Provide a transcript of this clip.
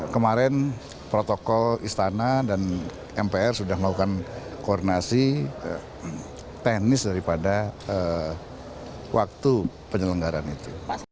kemarin protokol istana dan mpr sudah melakukan koordinasi teknis daripada waktu penyelenggaran itu